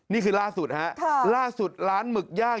นี่คือล่าสุดฮะล่าสุดร้านหมึกย่าง